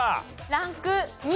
ランク２。